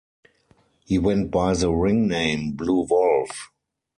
He went by the ring name Blue Wolf.